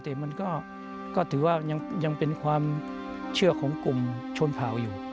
แต่มันก็ถือว่ายังเป็นความเชื่อของกลุ่มชนเผ่าอยู่